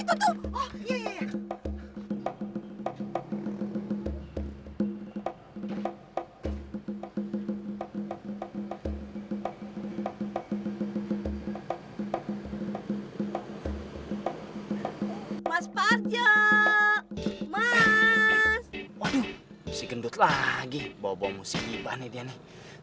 waduh si gendut lagi bawa bawamu si ibah nih dia nih